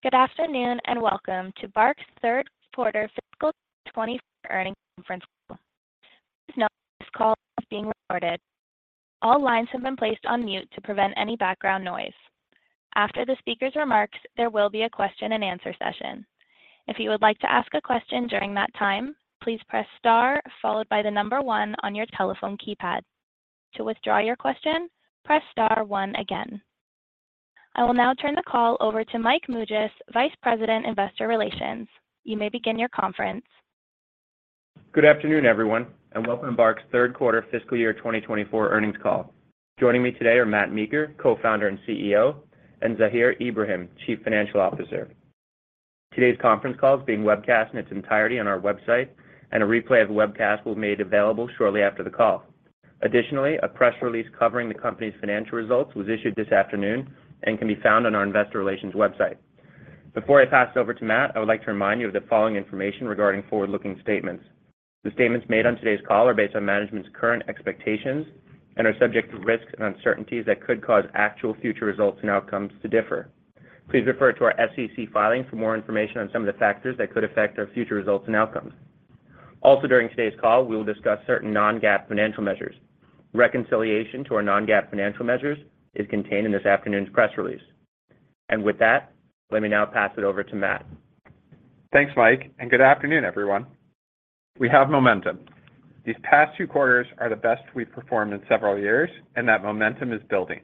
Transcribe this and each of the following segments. Good afternoon, and welcome to BARK's third quarter fiscal 2024 earnings conference call. Please note, this call is being recorded. All lines have been placed on mute to prevent any background noise. After the speaker's remarks, there will be a question and answer session. If you would like to ask a question during that time, please press star followed by the number one on your telephone keypad. To withdraw your question, press star one again. I will now turn the call over to Mike Mougias, Vice President, Investor Relations. You may begin your conference. Good afternoon, everyone, and welcome to BARK's third quarter fiscal year 2024 earnings call. Joining me today are Matt Meeker, Co-Founder and CEO, and Zahir Ibrahim, Chief Financial Officer. Today's conference call is being webcast in its entirety on our website, and a replay of the webcast will be made available shortly after the call. Additionally, a press release covering the company's financial results was issued this afternoon and can be found on our investor relations website. Before I pass it over to Matt, I would like to remind you of the following information regarding forward-looking statements. The statements made on today's call are based on management's current expectations and are subject to risks and uncertainties that could cause actual future results and outcomes to differ. Please refer to our SEC filings for more information on some of the factors that could affect our future results and outcomes. Also, during today's call, we will discuss certain non-GAAP financial measures. Reconciliation to our non-GAAP financial measures is contained in this afternoon's press release. With that, let me now pass it over to Matt. Thanks, Mike, and good afternoon, everyone. We have momentum. These past two quarters are the best we've performed in several years, and that momentum is building.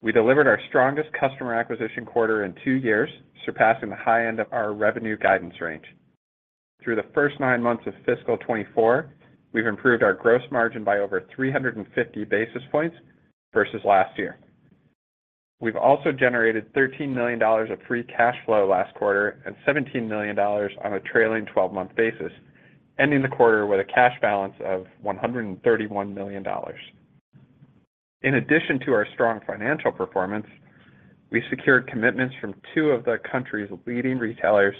We delivered our strongest customer acquisition quarter in two years, surpassing the high end of our revenue guidance range. Through the first nine months of fiscal 2024, we've improved our gross margin by over 350 basis points versus last year. We've also generated $13 million of free cash flow last quarter and $17 million on a trailing 12-month basis, ending the quarter with a cash balance of $131 million. In addition to our strong financial performance, we secured commitments from two of the country's leading retailers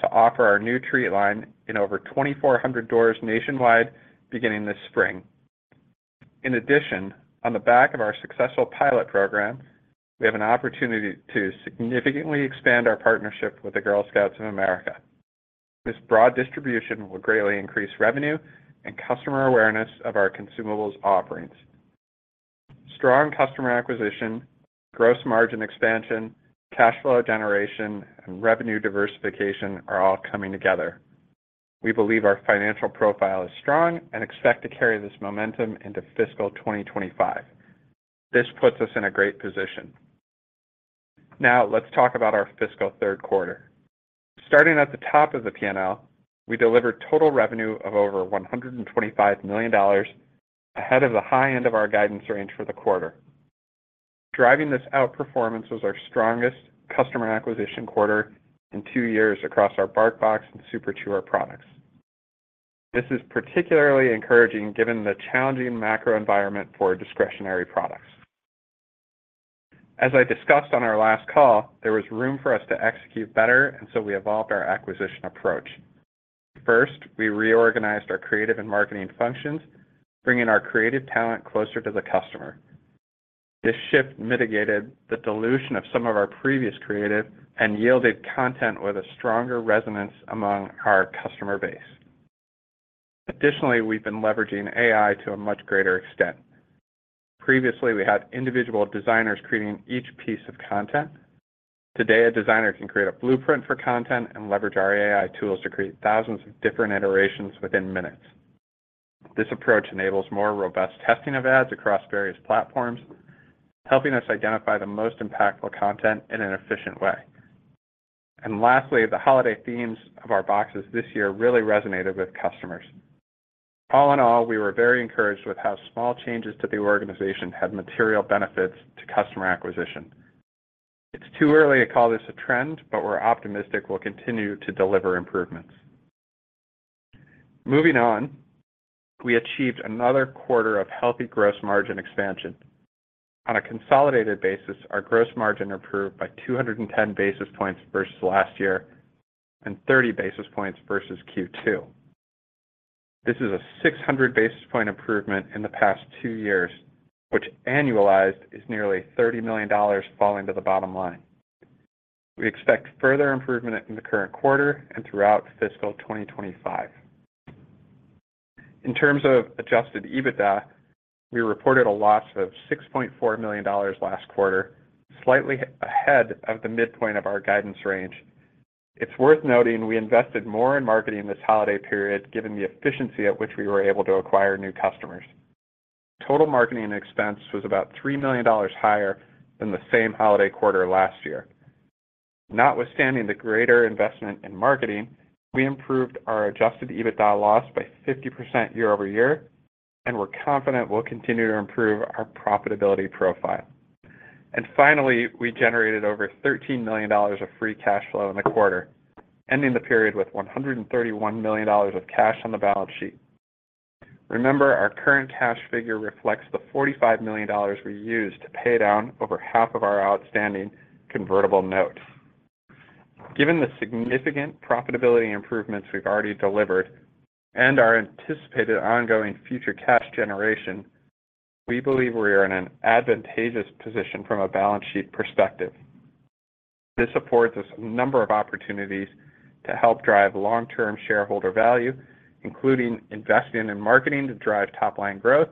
to offer our new treat line in over 2,400 doors nationwide beginning this spring. In addition, on the back of our successful pilot program, we have an opportunity to significantly expand our partnership with the Girl Scouts of America. This broad distribution will greatly increase revenue and customer awareness of our consumables offerings. Strong customer acquisition, gross margin expansion, cash flow generation, and revenue diversification are all coming together. We believe our financial profile is strong and expect to carry this momentum into fiscal 2025. This puts us in a great position. Now, let's talk about our fiscal third quarter. Starting at the top of the P&L, we delivered total revenue of over $125 million, ahead of the high end of our guidance range for the quarter. Driving this outperformance was our strongest customer acquisition quarter in two years across our BarkBox and Super Chewer products. This is particularly encouraging, given the challenging macro environment for discretionary products. As I discussed on our last call, there was room for us to execute better, and so we evolved our acquisition approach. First, we reorganized our creative and marketing functions, bringing our creative talent closer to the customer. This shift mitigated the dilution of some of our previous creative and yielded content with a stronger resonance among our customer base. Additionally, we've been leveraging AI to a much greater extent. Previously, we had individual designers creating each piece of content. Today, a designer can create a blueprint for content and leverage our AI tools to create thousands of different iterations within minutes. This approach enables more robust testing of ads across various platforms, helping us identify the most impactful content in an efficient way. Lastly, the holiday themes of our boxes this year really resonated with customers. All in all, we were very encouraged with how small changes to the organization had material benefits to customer acquisition. It's too early to call this a trend, but we're optimistic we'll continue to deliver improvements. Moving on, we achieved another quarter of healthy gross margin expansion. On a consolidated basis, our gross margin improved by 210 basis points versus last year and 30 basis points versus Q2. This is a 600 basis point improvement in the past two years, which annualized is nearly $30 million falling to the bottom line. We expect further improvement in the current quarter and throughout fiscal 2025. In terms of Adjusted EBITDA, we reported a loss of $6.4 million last quarter, slightly ahead of the midpoint of our guidance range. It's worth noting we invested more in marketing this holiday period, given the efficiency at which we were able to acquire new customers. Total marketing expense was about $3 million higher than the same holiday quarter last year. Notwithstanding the greater investment in marketing, we improved our Adjusted EBITDA loss by 50% year-over-year, and we're confident we'll continue to improve our profitability profile. And finally, we generated over $13 million of free cash flow in the quarter, ending the period with $131 million of cash on the balance sheet. Remember, our current cash figure reflects the $45 million we used to pay down over half of our outstanding convertible notes. Given the significant profitability improvements we've already delivered and our anticipated ongoing future cash generation. We believe we are in an advantageous position from a balance sheet perspective. This affords us a number of opportunities to help drive long-term shareholder value, including investing in marketing to drive top-line growth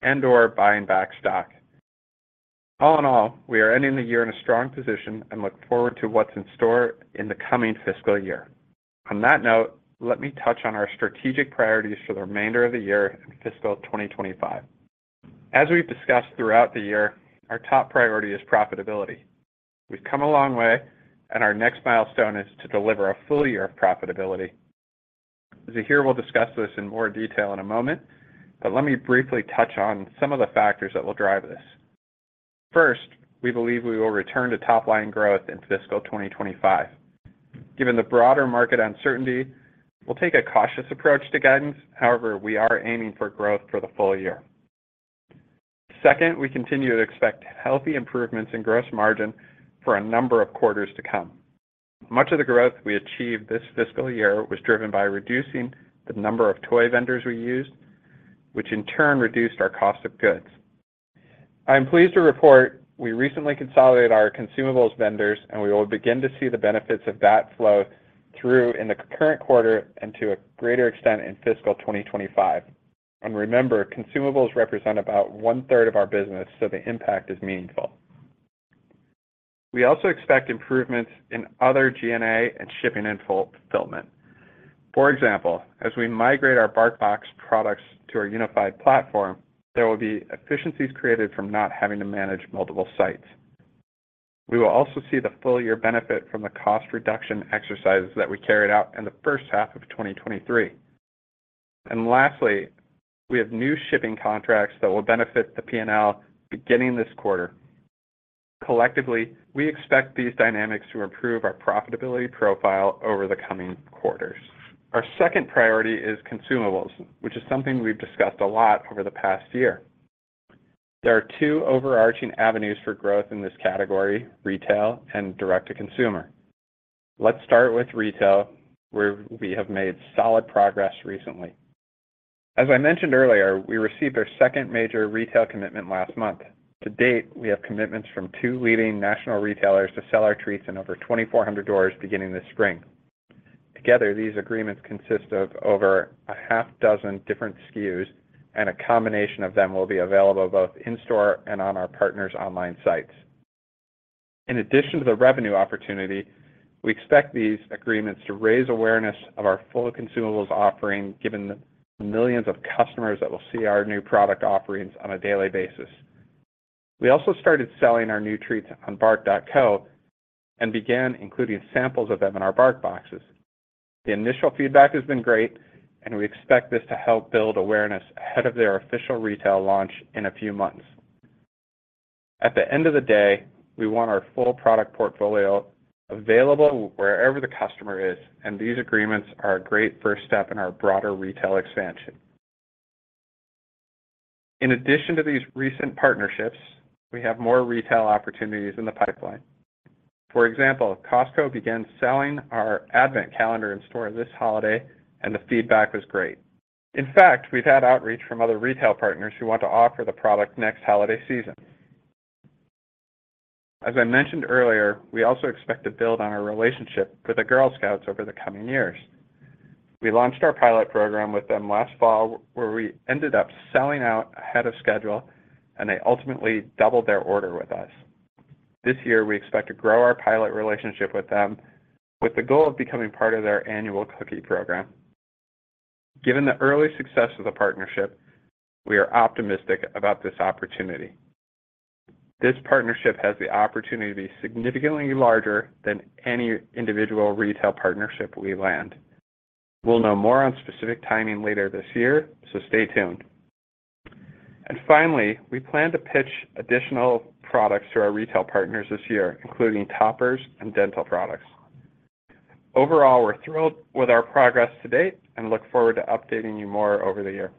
and/or buying back stock. All in all, we are ending the year in a strong position and look forward to what's in store in the coming fiscal year. On that note, let me touch on our strategic priorities for the remainder of the year in fiscal 2025. As we've discussed throughout the year, our top priority is profitability. We've come a long way, and our next milestone is to deliver a full year of profitability. Zahir will discuss this in more detail in a moment, but let me briefly touch on some of the factors that will drive this. First, we believe we will return to top-line growth in fiscal 2025. Given the broader market uncertainty, we'll take a cautious approach to guidance. However, we are aiming for growth for the full year. Second, we continue to expect healthy improvements in gross margin for a number of quarters to come. Much of the growth we achieved this fiscal year was driven by reducing the number of toy vendors we used, which in turn reduced our cost of goods. I am pleased to report we recently consolidated our consumables vendors, and we will begin to see the benefits of that flow through in the current quarter and to a greater extent in fiscal 2025. And remember, consumables represent about one-third of our business, so the impact is meaningful. We also expect improvements in other G&A and shipping and fulfillment. For example, as we migrate our BarkBox products to our unified platform, there will be efficiencies created from not having to manage multiple sites. We will also see the full year benefit from the cost reduction exercises that we carried out in the first half of 2023. And lastly, we have new shipping contracts that will benefit the P&L beginning this quarter. Collectively, we expect these dynamics to improve our profitability profile over the coming quarters. Our second priority is consumables, which is something we've discussed a lot over the past year. There are two overarching avenues for growth in this category: retail and direct-to-consumer. Let's start with retail, where we have made solid progress recently. As I mentioned earlier, we received our second major retail commitment last month. To date, we have commitments from two leading national retailers to sell our treats in over 2,400 doors beginning this spring. Together, these agreements consist of over a half-dozen different SKUs, and a combination of them will be available both in-store and on our partners' online sites. In addition to the revenue opportunity, we expect these agreements to raise awareness of our full consumables offering, given the millions of customers that will see our new product offerings on a daily basis. We also started selling our new treats on bark.co and began including samples of them in our BarkBoxes. The initial feedback has been great, and we expect this to help build awareness ahead of their official retail launch in a few months. At the end of the day, we want our full product portfolio available wherever the customer is, and these agreements are a great first step in our broader retail expansion. In addition to these recent partnerships, we have more retail opportunities in the pipeline. For example, Costco began selling our advent calendar in-store this holiday, and the feedback was great. In fact, we've had outreach from other retail partners who want to offer the product next holiday season. As I mentioned earlier, we also expect to build on our relationship with the Girl Scouts over the coming years. We launched our pilot program with them last fall, where we ended up selling out ahead of schedule and they ultimately doubled their order with us. This year, we expect to grow our pilot relationship with them with the goal of becoming part of their annual cookie program. Given the early success of the partnership, we are optimistic about this opportunity. This partnership has the opportunity to be significantly larger than any individual retail partnership we land. We'll know more on specific timing later this year, so stay tuned. Finally, we plan to pitch additional products to our retail partners this year, including toppers and dental products. Overall, we're thrilled with our progress to date and look forward to updating you more over the year.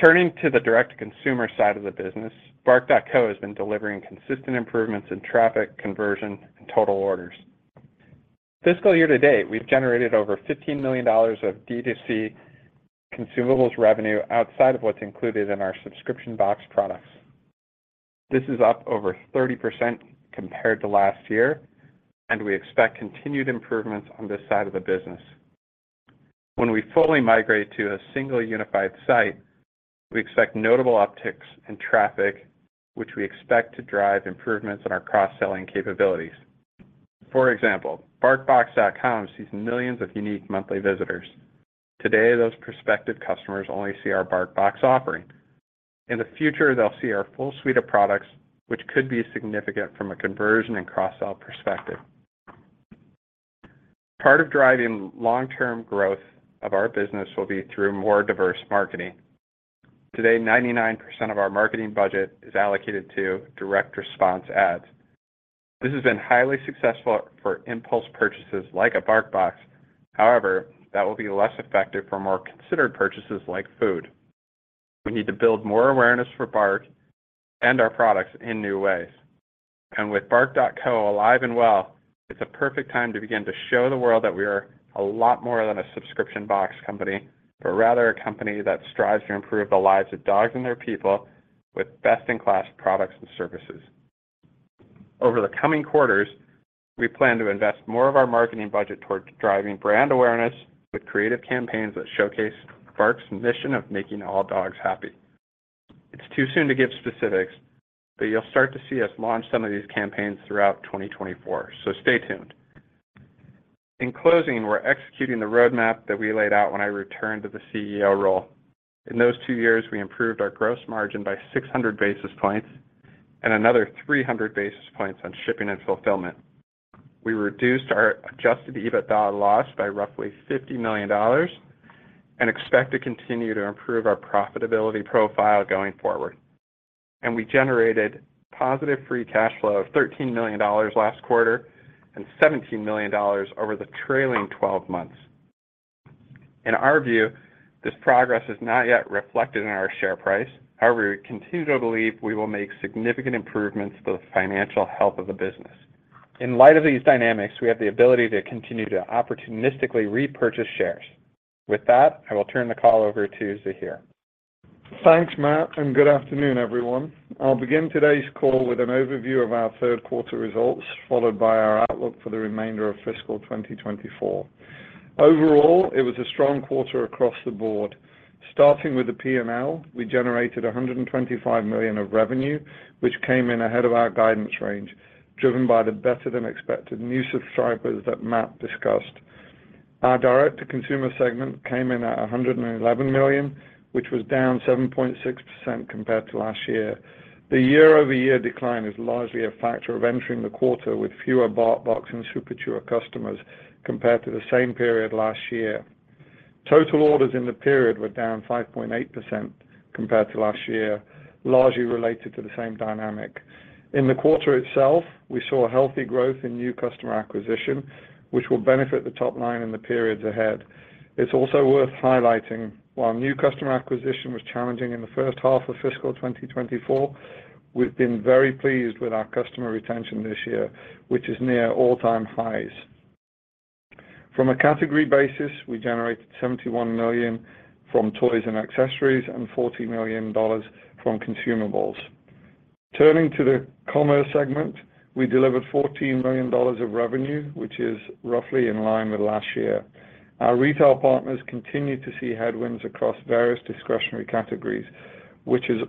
Turning to the direct-to-consumer side of the business, bark.co has been delivering consistent improvements in traffic, conversion, and total orders. Fiscal year to date, we've generated over $15 million of D2C consumables revenue outside of what's included in our subscription box products. This is up over 30% compared to last year, and we expect continued improvements on this side of the business. When we fully migrate to a single unified site, we expect notable upticks in traffic, which we expect to drive improvements in our cross-selling capabilities. For example, barkbox.com sees millions of unique monthly visitors. Today, those prospective customers only see our BarkBox offering. In the future, they'll see our full suite of products, which could be significant from a conversion and cross-sell perspective. Part of driving long-term growth of our business will be through more diverse marketing. Today, 99% of our marketing budget is allocated to direct response ads. This has been highly successful for impulse purchases like a BarkBox. However, that will be less effective for more considered purchases like food. We need to build more awareness for BARK and our products in new ways... And with bark.co alive and well, it's a perfect time to begin to show the world that we are a lot more than a subscription box company, but rather a company that strives to improve the lives of dogs and their people with best-in-class products and services. Over the coming quarters, we plan to invest more of our marketing budget towards driving brand awareness with creative campaigns that showcase BARK's mission of making all dogs happy. It's too soon to give specifics, but you'll start to see us launch some of these campaigns throughout 2024, so stay tuned. In closing, we're executing the roadmap that we laid out when I returned to the CEO role. In those two years, we improved our gross margin by 600 basis points and another 300 basis points on shipping and fulfillment. We reduced our Adjusted EBITDA loss by roughly $50 million and expect to continue to improve our profitability profile going forward. And we generated positive free cash flow of $13 million last quarter and $17 million over the trailing 12 months. In our view, this progress is not yet reflected in our share price. However, we continue to believe we will make significant improvements to the financial health of the business. In light of these dynamics, we have the ability to continue to opportunistically repurchase shares. With that, I will turn the call over to Zahir. Thanks, Matt, and good afternoon, everyone. I'll begin today's call with an overview of our third quarter results, followed by our outlook for the remainder of fiscal 2024. Overall, it was a strong quarter across the board. Starting with the P&L, we generated $125 million of revenue, which came in ahead of our guidance range, driven by the better-than-expected new subscribers that Matt discussed. Our direct-to-consumer segment came in at $111 million, which was down 7.6% compared to last year. The year-over-year decline is largely a factor of entering the quarter with fewer BarkBox and Super Chewer customers compared to the same period last year. Total orders in the period were down 5.8% compared to last year, largely related to the same dynamic. In the quarter itself, we saw healthy growth in new customer acquisition, which will benefit the top line in the periods ahead. It's also worth highlighting, while new customer acquisition was challenging in the first half of fiscal 2024, we've been very pleased with our customer retention this year, which is near all-time highs. From a category basis, we generated $71 million from toys and accessories and $40 million from consumables. Turning to the commerce segment, we delivered $14 million of revenue, which is roughly in line with last year. Our retail partners continued to see headwinds across various discretionary categories, which is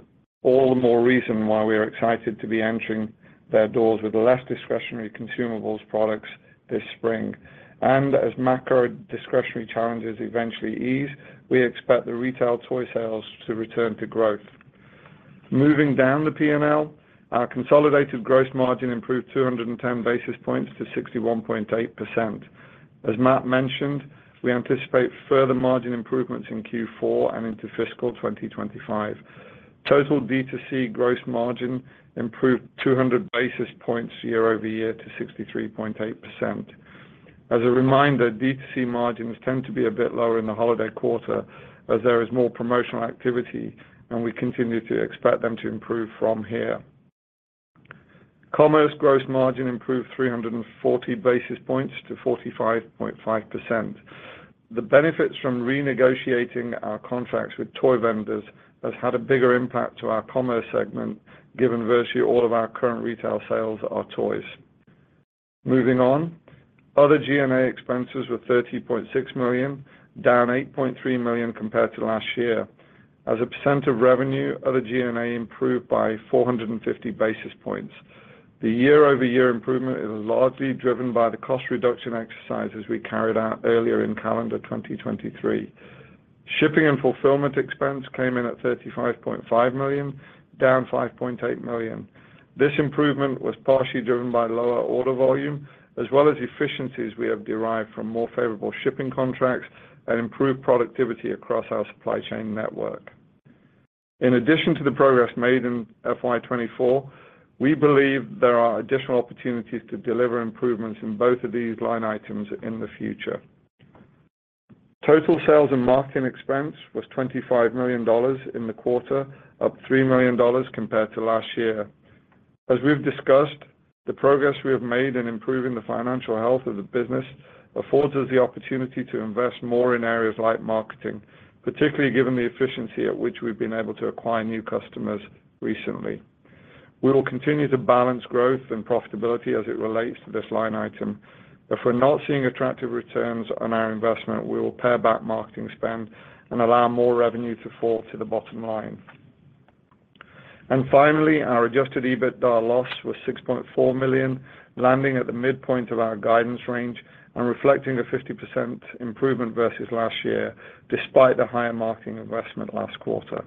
all the more reason why we are excited to be entering their doors with less discretionary consumables products this spring. As macro discretionary challenges eventually ease, we expect the retail toy sales to return to growth. Moving down the P&L, our consolidated gross margin improved 210 basis points to 61.8%. As Matt mentioned, we anticipate further margin improvements in Q4 and into fiscal 2025. Total D2C gross margin improved 200 basis points year-over-year to 63.8%. As a reminder, D2C margins tend to be a bit lower in the holiday quarter as there is more promotional activity, and we continue to expect them to improve from here. Commerce gross margin improved 340 basis points to 45.5%. The benefits from renegotiating our contracts with toy vendors has had a bigger impact to our commerce segment, given virtually all of our current retail sales are toys. Moving on, other G&A expenses were $30.6 million, down $8.3 million compared to last year. As a % of revenue, other G&A improved by 450 basis points. The year-over-year improvement is largely driven by the cost reduction exercises we carried out earlier in calendar 2023. Shipping and fulfillment expense came in at $35.5 million, down $5.8 million. This improvement was partially driven by lower order volume, as well as efficiencies we have derived from more favorable shipping contracts and improved productivity across our supply chain network. In addition to the progress made in FY 2024, we believe there are additional opportunities to deliver improvements in both of these line items in the future. Total sales and marketing expense was $25 million in the quarter, up $3 million compared to last year. As we've discussed, the progress we have made in improving the financial health of the business affords us the opportunity to invest more in areas like marketing, particularly given the efficiency at which we've been able to acquire new customers recently. We will continue to balance growth and profitability as it relates to this line item. If we're not seeing attractive returns on our investment, we will pare back marketing spend and allow more revenue to fall to the bottom line. And finally, our Adjusted EBITDA loss was $6.4 million, landing at the midpoint of our guidance range and reflecting a 50% improvement versus last year, despite the higher marketing investment last quarter.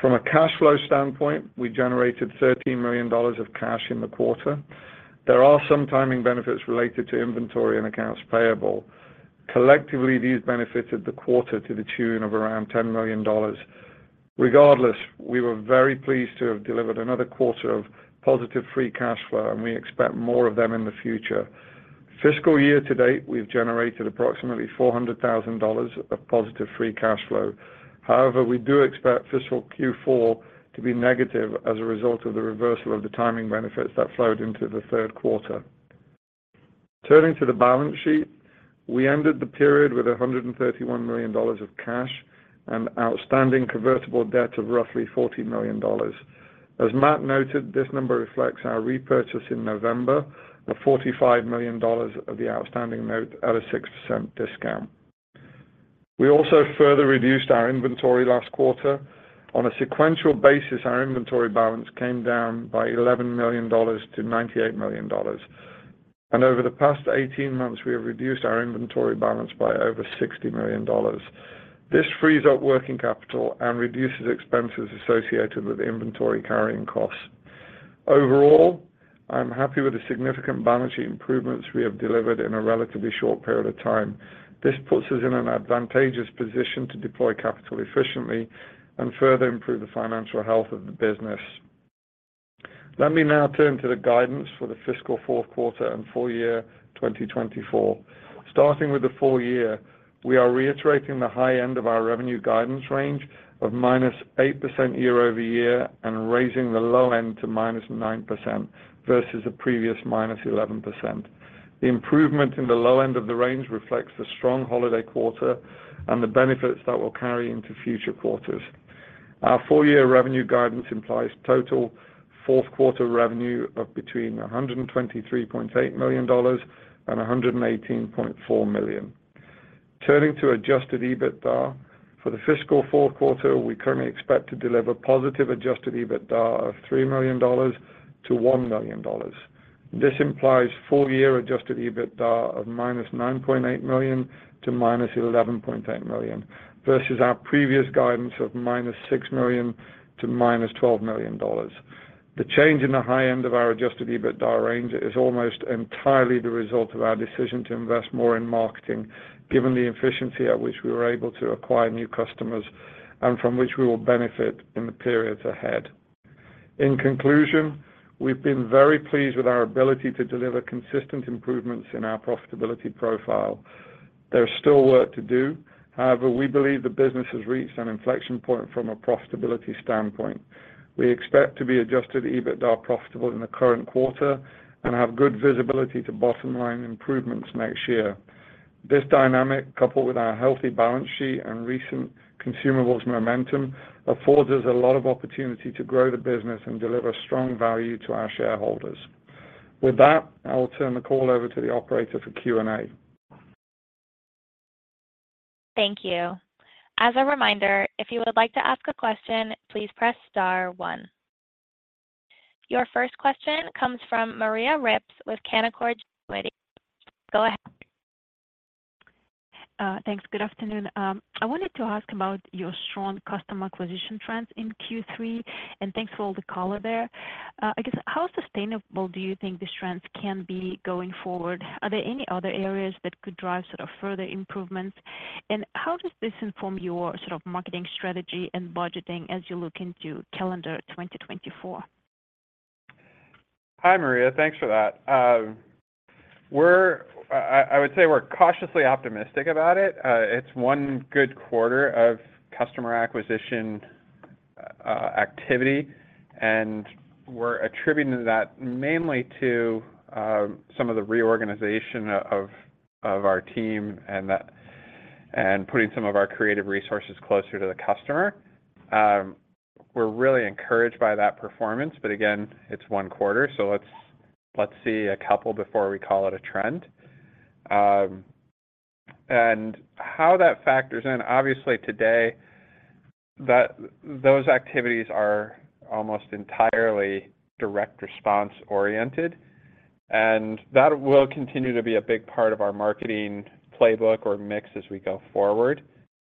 From a cash flow standpoint, we generated $13 million of cash in the quarter. There are some timing benefits related to inventory and accounts payable. Collectively, these benefited the quarter to the tune of around $10 million. Regardless, we were very pleased to have delivered another quarter of positive free cash flow, and we expect more of them in the future... Fiscal year to date, we've generated approximately $400,000 of positive free cash flow. However, we do expect fiscal Q4 to be negative as a result of the reversal of the timing benefits that flowed into the third quarter. Turning to the balance sheet, we ended the period with $131 million of cash and outstanding convertible debt of roughly $14 million. As Matt noted, this number reflects our repurchase in November of $45 million of the outstanding note at a 6% discount. We also further reduced our inventory last quarter. On a sequential basis, our inventory balance came down by $11 million-$98 million. Over the past 18 months, we have reduced our inventory balance by over $60 million. This frees up working capital and reduces expenses associated with inventory carrying costs. Overall, I'm happy with the significant balance sheet improvements we have delivered in a relatively short period of time. This puts us in an advantageous position to deploy capital efficiently and further improve the financial health of the business. Let me now turn to the guidance for the fiscal fourth quarter and full year 2024. Starting with the full year, we are reiterating the high end of our revenue guidance range of -8% year-over-year, and raising the low end to -9% versus the previous -11%. The improvement in the low end of the range reflects the strong holiday quarter and the benefits that will carry into future quarters. Our full year revenue guidance implies total fourth quarter revenue of between $123.8 million and $118.4 million. Turning to Adjusted EBITDA, for the fiscal fourth quarter, we currently expect to deliver positive Adjusted EBITDA of $3 million-$1 million. This implies full year Adjusted EBITDA of -$9.8 million to -$11.8 million, versus our previous guidance of -$6 million to -$12 million. The change in the high end of our Adjusted EBITDA range is almost entirely the result of our decision to invest more in marketing, given the efficiency at which we were able to acquire new customers and from which we will benefit in the periods ahead. In conclusion, we've been very pleased with our ability to deliver consistent improvements in our profitability profile. There's still work to do. However, we believe the business has reached an inflection point from a profitability standpoint. We expect to be Adjusted EBITDA profitable in the current quarter and have good visibility to bottom line improvements next year. This dynamic, coupled with our healthy balance sheet and recent consumables momentum, affords us a lot of opportunity to grow the business and deliver strong value to our shareholders. With that, I will turn the call over to the operator for Q&A. Thank you. As a reminder, if you would like to ask a question, please press Star one. Your first question comes from Maria Ripps with Canaccord. Go ahead. Thanks. Good afternoon. I wanted to ask about your strong customer acquisition trends in Q3, and thanks for all the color there. I guess, how sustainable do you think this trends can be going forward? Are there any other areas that could drive sort of further improvements? And how does this inform your sort of marketing strategy and budgeting as you look into calendar 2024? Hi, Maria. Thanks for that. I would say we're cautiously optimistic about it. It's one good quarter of customer acquisition activity, and we're attributing that mainly to some of the reorganization of our team and that, and putting some of our creative resources closer to the customer. We're really encouraged by that performance, but again, it's one quarter, so let's see a couple before we call it a trend. And how that factors in, obviously today, those activities are almost entirely direct response-oriented, and that will continue to be a big part of our marketing playbook or mix as we go forward.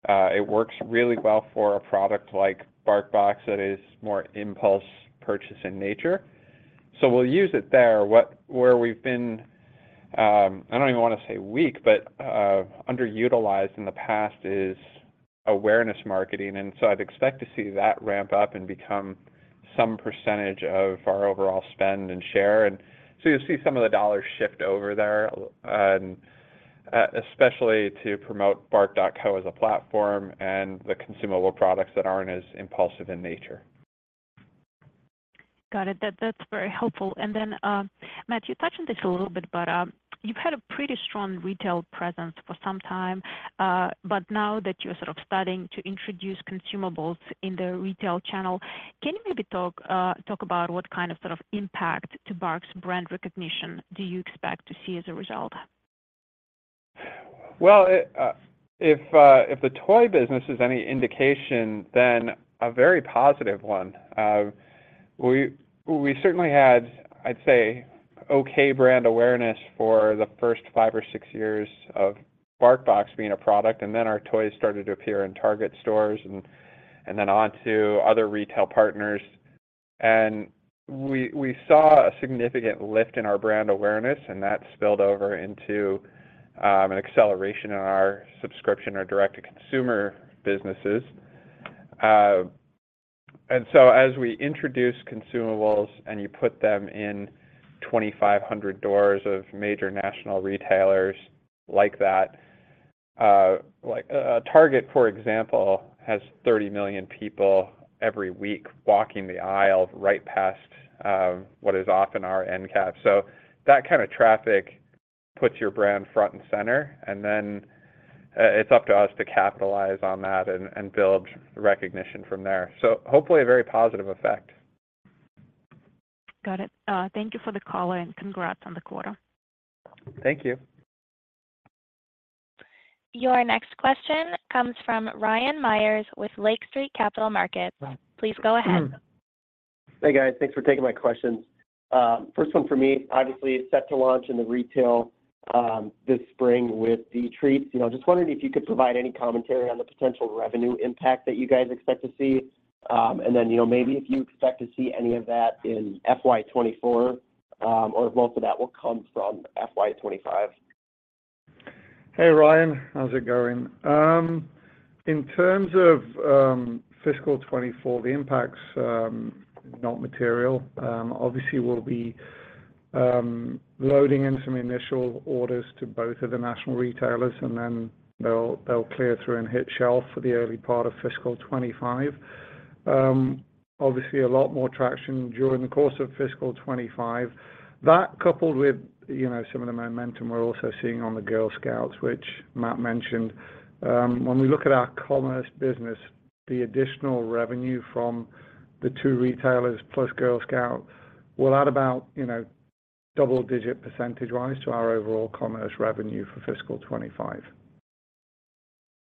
It works really well for a product like BarkBox that is more impulse purchase in nature. So we'll use it there. What... Where we've been, I don't even want to say weak, but, underutilized in the past, is awareness marketing, and so I'd expect to see that ramp up and become some percentage of our overall spend and share. And so you'll see some of the dollars shift over there, and, especially to promote bark.co as a platform and the consumable products that aren't as impulsive in nature. Got it. That, that's very helpful. And then, Matt, you touched on this a little bit, but, you've had a pretty strong retail presence for some time, but now that you're sort of starting to introduce consumables in the retail channel, can you maybe talk about what kind of, sort of impact to BARK's brand recognition do you expect to see as a result? Well, if the toy business is any indication, then a very positive one. We certainly had, I'd say, okay brand awareness for the first five or six years of BarkBox being a product, and then our toys started to appear in Target stores and then on to other retail partners. And we saw a significant lift in our brand awareness, and that spilled over into an acceleration in our subscription or direct-to-consumer businesses. And so as we introduce consumables and you put them in 2,500 doors of major national retailers like that, like Target, for example, has 30 million people every week walking the aisle right past what is often our endcap. So that kind of traffic puts your brand front and center, and then, it's up to us to capitalize on that and, and build recognition from there. So hopefully, a very positive effect. Got it. Thank you for the call, and congrats on the quarter. Thank you. Your next question comes from Ryan Meyers with Lake Street Capital Markets. Please go ahead. Hey, guys. Thanks for taking my questions. First one for me, obviously, set to launch in the retail this spring with the treats. You know, I'm just wondering if you could provide any commentary on the potential revenue impact that you guys expect to see. And then, you know, maybe if you expect to see any of that in FY 2024 or if most of that will come from FY 2025. Hey, Ryan. How's it going? In terms of fiscal 2024, the impact's not material. Obviously, we'll be loading in some initial orders to both of the national retailers, and then they'll clear through and hit shelf for the early part of fiscal 2025. Obviously, a lot more traction during the course of fiscal 2025. That, coupled with, you know, some of the momentum we're also seeing on the Girl Scouts, which Matt mentioned, when we look at our commerce business, the additional revenue from the two retailers plus Girl Scouts will add about, you know, double-digit percentage rise to our overall commerce revenue for fiscal 2025.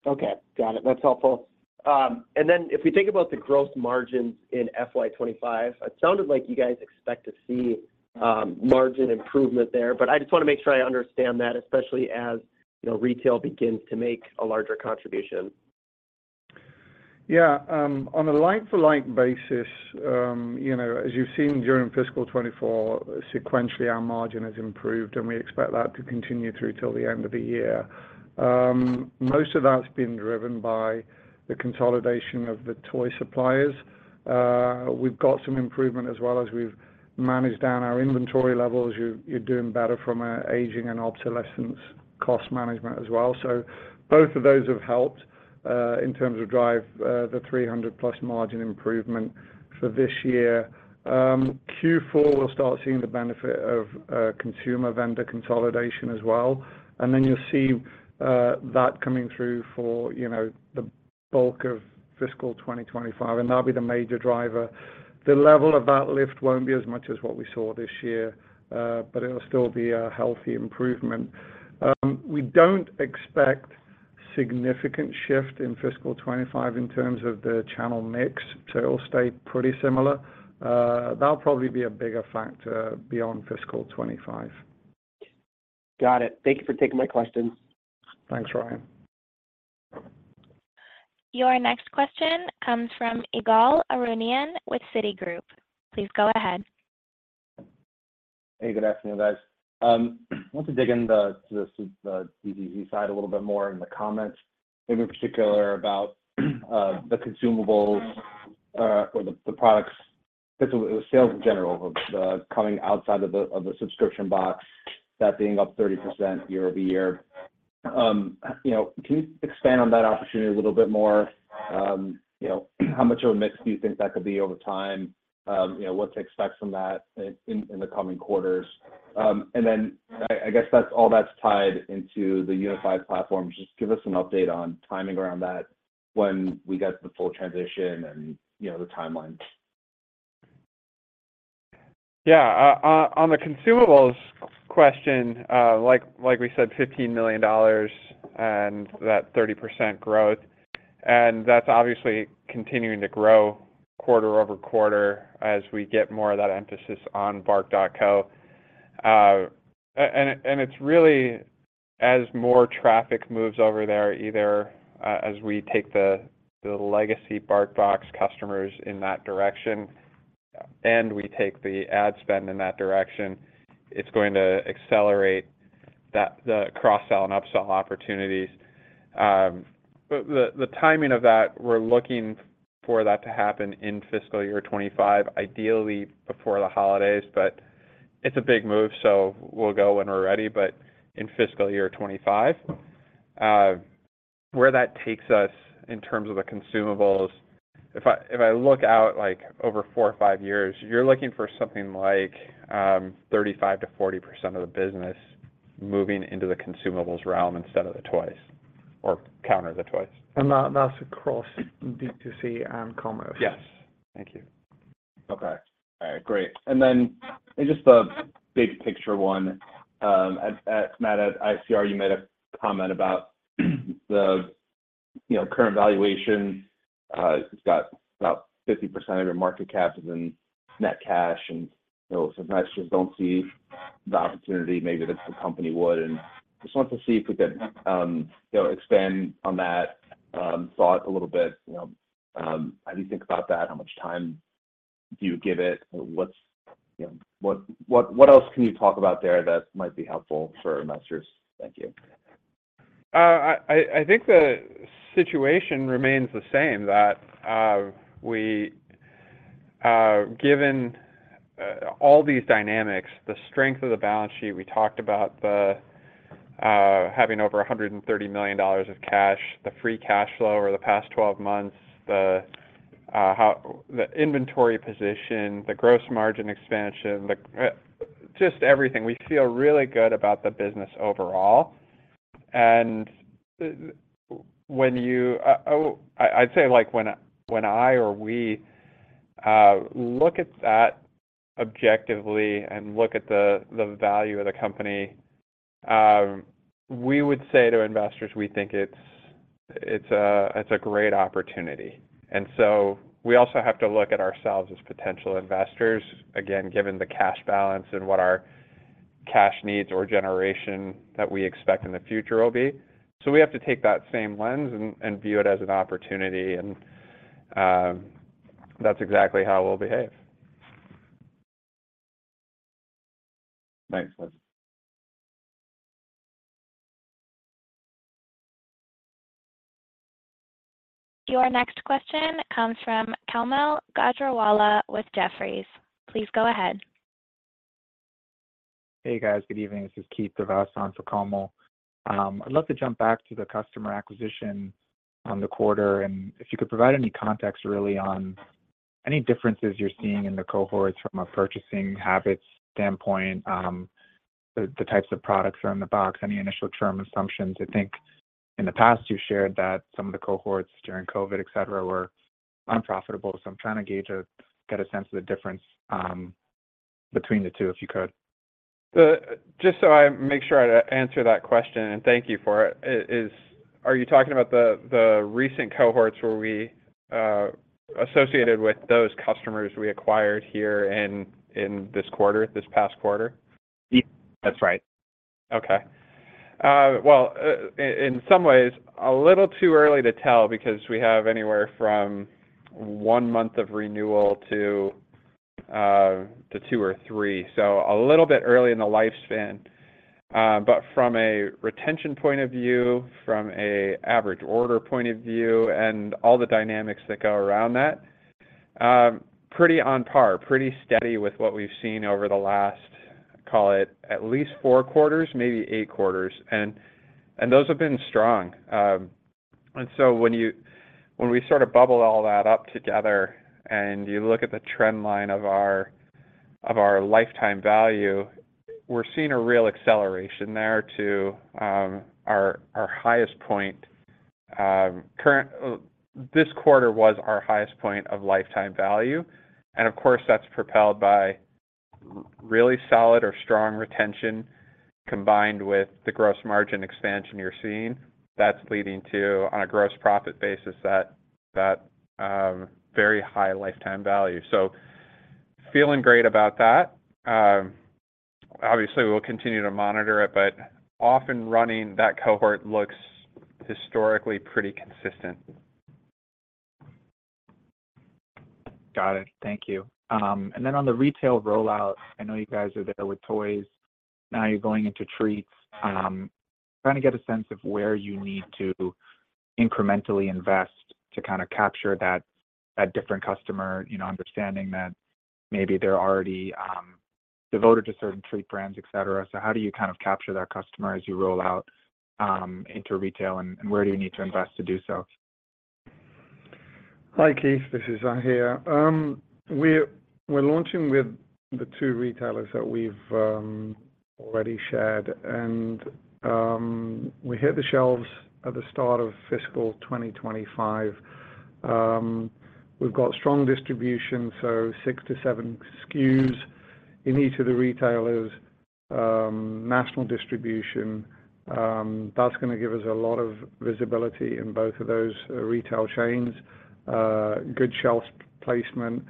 Okay, got it. That's helpful. And then if we think about the gross margins in FY 2025, it sounded like you guys expect to see margin improvement there. But I just wanna make sure I understand that, especially as, you know, retail begins to make a larger contribution. Yeah. On a like-for-like basis, you know, as you've seen during fiscal 2024, sequentially, our margin has improved, and we expect that to continue through till the end of the year. Most of that's been driven by the consolidation of the toy suppliers. We've got some improvement as well as we've managed down our inventory levels. We're doing better from an aging and obsolescence cost management as well. So both of those have helped in terms of driving the 300+ margin improvement for this year. Q4 will start seeing the benefit of consumer vendor consolidation as well. And then you'll see that coming through for, you know, the bulk of fiscal 2025, and that'll be the major driver. The level of that lift won't be as much as what we saw this year, but it'll still be a healthy improvement. We don't expect significant shift in fiscal 2025 in terms of the channel mix, so it'll stay pretty similar. That'll probably be a bigger factor beyond fiscal 2025. Got it. Thank you for taking my questions. Thanks, Ryan. Your next question comes from Ygal Arounian with Citigroup. Please go ahead. Hey, good afternoon, guys. I want to dig into the D2C side a little bit more in the comments, in particular about the consumables or the products, the sales in general, of the consumables outside of the subscription box, that being up 30% year-over-year. You know, can you expand on that opportunity a little bit more? You know, how much of a mix do you think that could be over time? You know, what to expect from that in the coming quarters? And then I guess that's all that's tied into the unified platform. Just give us an update on timing around that when we get the full transition and, you know, the timelines. Yeah. On the consumables question, like we said, $15 million and that 30% growth, and that's obviously continuing to grow quarter-over-quarter as we get more of that emphasis on bark.co. And it's really as more traffic moves over there, either as we take the legacy BarkBox customers in that direction, and we take the ad spend in that direction, it's going to accelerate that, the cross-sell and upsell opportunities. But the timing of that, we're looking for that to happen in fiscal year 2025, ideally before the holidays, but it's a big move, so we'll go when we're ready, but in fiscal year 2025. Where that takes us in terms of the consumables, if I, if I look out, like, over four or five years, you're looking for something like 35%-40% of the business moving into the consumables realm instead of the toys or counter the toys. That, that's across D2C and commerce? Yes. Thank you. Okay. All right, great. And then just a big picture one. At Matt, at ICR, you made a comment about the, you know, current valuation. It's got about 50% of your market cap in net cash, and, you know, sometimes you just don't see the opportunity. Maybe that's the company would, and just want to see if we could, you know, expand on that thought a little bit. You know, how do you think about that? How much time do you give it? What's... You know, what, what, what else can you talk about there that might be helpful for investors? Thank you.... I, I think the situation remains the same, that, we, given, all these dynamics, the strength of the balance sheet, we talked about the, having over $130 million of cash, the free cash flow over the past 12 months, the, the inventory position, the gross margin expansion, the, just everything. We feel really good about the business overall. And when you, I, I'd say, like, when, when I or we, look at that objectively and look at the, the value of the company, we would say to investors, we think it's, it's a, it's a great opportunity. And so we also have to look at ourselves as potential investors, again, given the cash balance and what our cash needs or generation that we expect in the future will be. So we have to take that same lens and view it as an opportunity, and that's exactly how we'll behave. Thanks, Matt. Your next question comes from Kaumil Gajrawala with Jefferies. Please go ahead. Hey, guys. Good evening. This is Keith Devas on for Kaumil. I'd love to jump back to the customer acquisition on the quarter, and if you could provide any context really on any differences you're seeing in the cohorts from a purchasing habits standpoint, the types of products are in the box, any initial term assumptions. I think in the past you shared that some of the cohorts during COVID, et cetera, were unprofitable. So I'm trying to gauge get a sense of the difference between the two, if you could. Just so I make sure I answer that question, and thank you for it, are you talking about the recent cohorts where we associated with those customers we acquired here in this quarter, this past quarter? Yeah, that's right. Okay. Well, in some ways, a little too early to tell because we have anywhere from one month of renewal to two or three, so a little bit early in the lifespan. But from a retention point of view, from a average order point of view, and all the dynamics that go around that, pretty on par, pretty steady with what we've seen over the last, call it, at least four quarters, maybe eight quarters. And those have been strong. And so when you - when we sort of bubble all that up together and you look at the trend line of our lifetime value, we're seeing a real acceleration there to our highest point. Current... This quarter was our highest point of lifetime value, and of course, that's propelled by really solid or strong retention, combined with the gross margin expansion you're seeing. That's leading to, on a gross profit basis, that very high lifetime value. So feeling great about that. Obviously, we'll continue to monitor it, but off and running, that cohort looks historically pretty consistent. Got it. Thank you. And then on the retail rollout, I know you guys are there with toys, now you're going into treats. Trying to get a sense of where you need to incrementally invest to kinda capture that, that different customer, you know, understanding that maybe they're already devoted to certain treat brands, et cetera. So how do you kind of capture that customer as you roll out into retail, and, and where do you need to invest to do so? Hi, Keith, this is Zahir. We're launching with the two retailers that we've already shared, and we hit the shelves at the start of fiscal 2025. We've got strong distribution, so six-seven SKUs in each of the retailers, national distribution. That's gonna give us a lot of visibility in both of those retail chains. Good shelf placement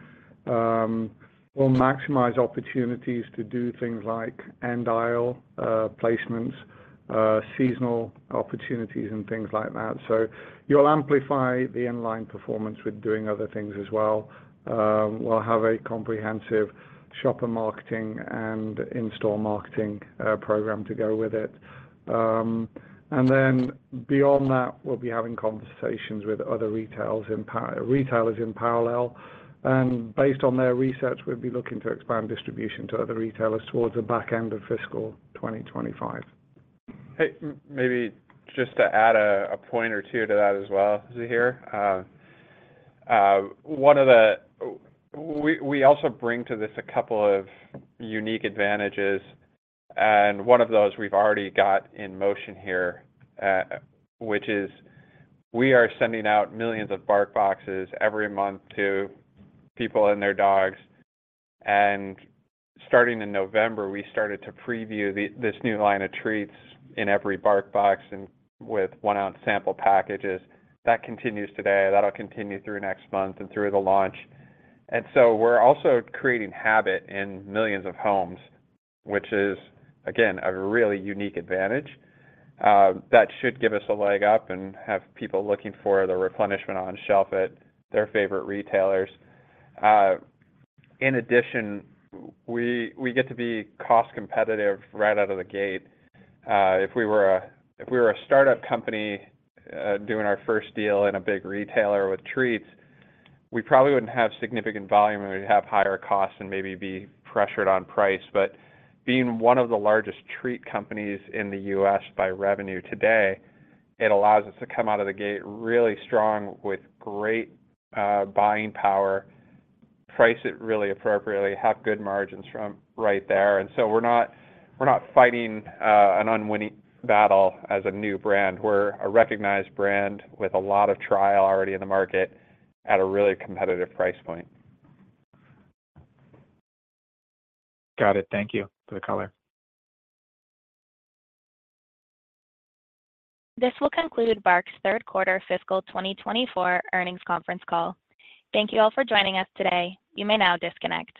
will maximize opportunities to do things like end aisle placements, seasonal opportunities, and things like that. So you'll amplify the inline performance with doing other things as well. We'll have a comprehensive shopper marketing and in-store marketing program to go with it. And then beyond that, we'll be having conversations with other retailers in parallel, and based on their research, we'll be looking to expand distribution to other retailers towards the back end of fiscal 2025. Hey, maybe just to add a point or two to that as well, Zahir. One of the... We also bring to this a couple of unique advantages, and one of those we've already got in motion here, which is we are sending out millions of BarkBoxes every month to people and their dogs. Starting in November, we started to preview this new line of treats in every BarkBox and with one-ounce sample packages. That continues today. That'll continue through next month and through the launch. So we're also creating habit in millions of homes, which is, again, a really unique advantage, that should give us a leg up and have people looking for the replenishment on shelf at their favorite retailers. In addition, we get to be cost competitive right out of the gate. If we were a, if we were a startup company, doing our first deal in a big retailer with treats, we probably wouldn't have significant volume, and we'd have higher costs and maybe be pressured on price. But being one of the largest treat companies in the U.S. by revenue today, it allows us to come out of the gate really strong with great, buying power, price it really appropriately, have good margins from right there. And so we're not, we're not fighting, an unwinning battle as a new brand. We're a recognized brand with a lot of trial already in the market at a really competitive price point. Got it. Thank you for the color. This will conclude BARK's third quarter fiscal 2024 earnings conference call. Thank you all for joining us today. You may now disconnect.